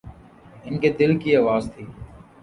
ان کے دل کی آواز تھی۔